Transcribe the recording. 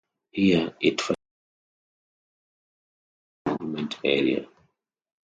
Here, it finally exits the Wildlife Management Area.